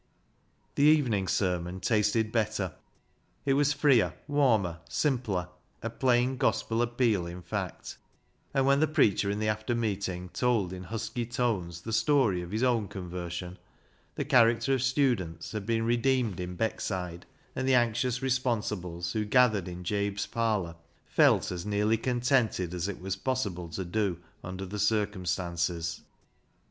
The evening sermon tasted better. It was freer, warmer, simpler, — a plain gospel appeal in fact ; and when the preacher in the after meeting told, in husky tones, the story of his own conversion, the character of students had been redeemed in Beckside, and the anxious responsibles who gathered in Jabe's parlour felt as nearly contented as it was possible to do under the circumstances.